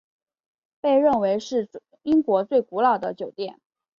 被认为是英国最古老的酒店。